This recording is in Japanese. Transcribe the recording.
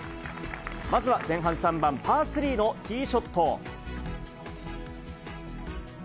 まずは前半３番パー３のティーショット。